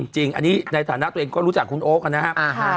จริงอันนี้ในฐานะตัวเองก็รู้จักคุณโอ๊คนะครับ